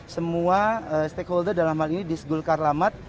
semua stakeholder dalam hal ini disegulkar lamat